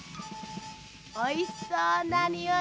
おいしそうなにおいですね。